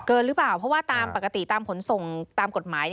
เกินหรือเปล่าเพราะว่าปกติตามผลส่งตามกฎหมาย